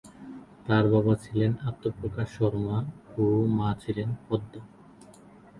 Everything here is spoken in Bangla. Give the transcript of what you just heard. তার বাবা ছিলেন আত্মপ্রকাশ শর্মা ও মা ছিলেন পদ্মা।